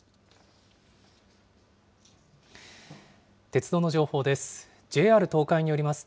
鉄道の情報です。